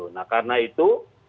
nah karena itu